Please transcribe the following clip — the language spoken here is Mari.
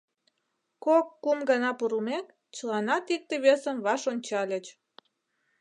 Кок-кум гана пурлмек, чыланат икте-весым ваш ончальыч.